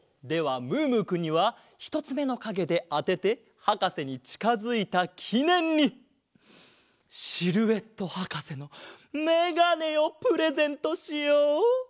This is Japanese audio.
ではムームーくんにはひとつめのかげであててはかせにちかづいたきねんにシルエットはかせのメガネをプレゼントしよう！